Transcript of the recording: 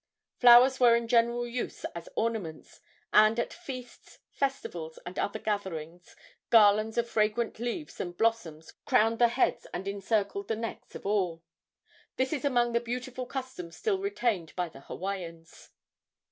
Flowers were in general use as ornaments, and at feasts, festivals and other gatherings garlands of fragrant leaves and blossoms crowned the heads and encircled the necks of all. This is among the beautiful customs still retained by the Hawaiians.